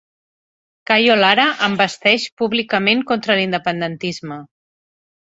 Cayo Lara envesteix públicament contra l'independentisme